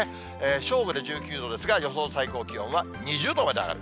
正午で１９度ですが、予想最高気温は２０度まで上がる。